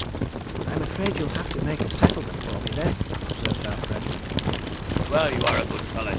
'I'm afraid you'll have to make a settlement for me, then,' observed our friend. 'Well, you are a good fellow.